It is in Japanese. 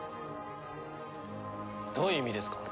どういう意味ですか？